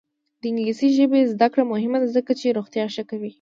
د انګلیسي ژبې زده کړه مهمه ده ځکه چې روغتیا ښه کوي.